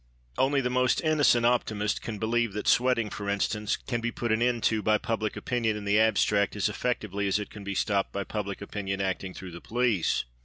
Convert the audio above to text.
Only the most innocent optimist can believe that sweating, for instance, can be put an end to by public opinion in the abstract as effectively as it can be stopped by public opinion acting through the police.